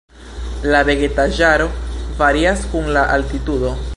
La vegetaĵaro varias kun la altitudo.